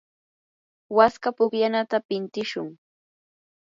waska pukllanata pintishun.